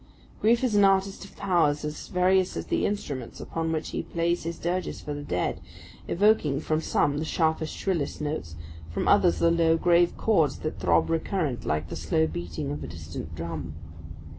Grief is an artist of powers as various as the instruments upon which he plays his dirges for the dead, evoking from some the sharpest, shrillest notes, from others the low, grave chords that throb recurrent like the slow beating of a distant drum.